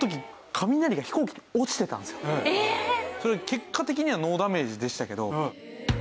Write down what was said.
結果的にはノーダメージでしたけど。